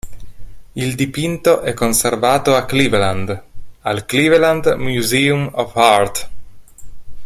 Il dipinto è conservato a Cleveland, al Cleveland Museum of Art.